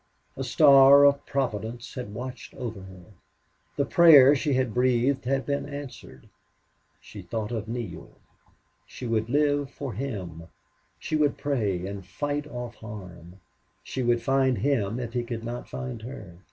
A star of Providence had watched over her. The prayer she had breathed had been answered. She thought of Neale. She would live for him; she would pray and fight off harm; she would find him if he could not find her.